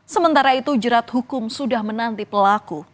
sementara itu jerat hukum sudah menanti pelaku